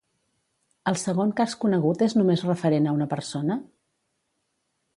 El segon cas conegut és només referent a una persona?